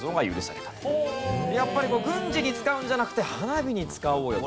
やっぱり軍事に使うんじゃなくて花火に使おうよと。